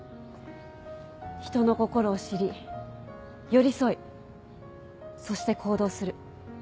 人の心を知り寄り添いそして行動する。